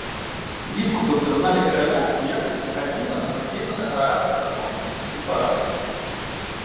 Біскупы прызналі караля ў якасці адзінага надзейнага гаранта законнасці і парадку.